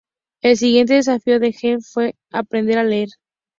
El siguiente desafío para Helen fue aprender a leer.